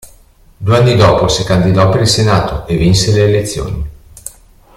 Due anni dopo si candidò per il Senato e vinse le elezioni.